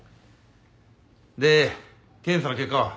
で検査の結果は？